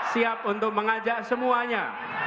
siap untuk mengajak semuanya